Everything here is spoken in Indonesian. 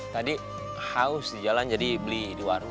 tadi haus di jalan jadi beli di warung